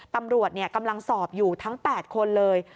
ตำรวจกำลังสอบอยู่ทั้ง๘คนเลย